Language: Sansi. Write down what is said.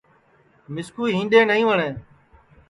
مِسکُو ہِینڈؔے نائیں وٹؔیں